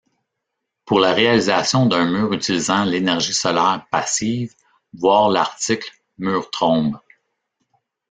Pour la réalisation d'un mur utilisant l'énergie solaire passive, voir l'article mur Trombe.